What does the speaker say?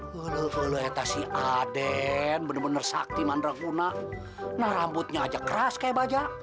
wuluh wuluh etas si aden bener bener saktiman rangguna nah rambutnya aja keras kayak baja